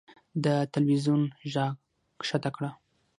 د تلوېزون ږغ کښته کړه .